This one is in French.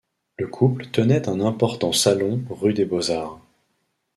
Le couple tenait un important salon rue des Beaux-Arts.